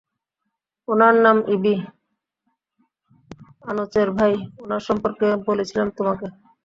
উনার নাম ইবি, আনোচের ভাই, উনার সম্পর্কে বলেছিলাম তোমাকে।